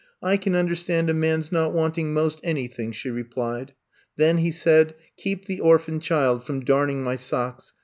I can un derstand a man's not wanting most any thing, '' she replied. Then, '' he said, *^ keep the orphan child from darning my socks.